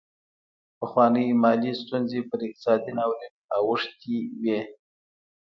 پخوانۍ مالي ستونزې پر اقتصادي ناورین اوښتې وې.